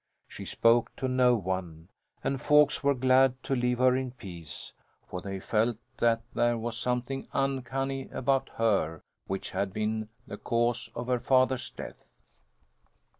She spoke to no one, and folks were glad to leave her in peace, for they felt that there was something uncanny about her which had been the cause of her father's death.